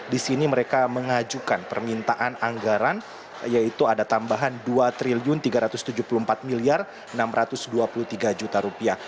di sini mereka mengajukan permintaan anggaran yaitu ada tambahan dua tiga ratus tujuh puluh empat enam ratus dua puluh tiga